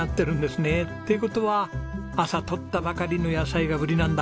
って事は朝とったばかりの野菜が売りなんだ。